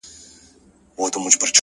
دغه خوار ملنگ څو ځايه تندی داغ کړ ـ